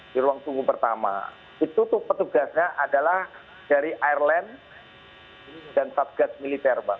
di ruang tunggu pertama itu tuh petugasnya adalah dari ireland dan sub guards militer bang